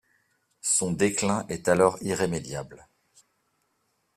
Son déclin est alors irrémédiable.